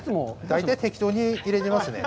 大体適当に入れてますね。